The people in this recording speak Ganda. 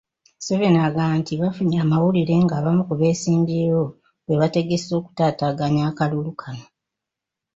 Museveni agamba nti bafunye amawulire ng'abamu ku beesimbyewo bwe bategese okutaataaganya akalulu kano